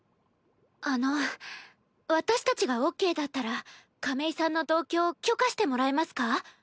あの私たちがオッケーだったら亀井さんの同居を許可してもらえますか？